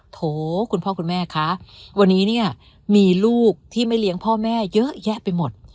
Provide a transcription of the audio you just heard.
โถคุณพ่อคุณแม่คะวันนี้เนี่ยมีลูกที่ไม่เลี้ยงพ่อแม่เยอะแยะไปหมด